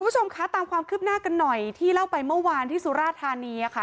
คุณผู้ชมคะตามความคืบหน้ากันหน่อยที่เล่าไปเมื่อวานที่สุราธานีค่ะ